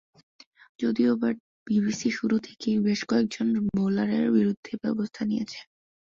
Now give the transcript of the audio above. যদিও এবার বিসিবি শুরু থেকেই বেশ কয়েকজন বোলারের বিরুদ্ধে ব্যবস্থা নিয়েছে।